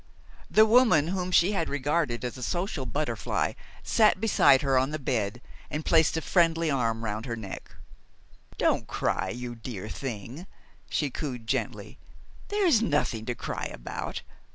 The woman whom she had regarded as a social butterfly sat beside her on the bed and placed a friendly arm round her neck. "Don't cry, you dear thing," she cooed gently. "There is nothing to cry about.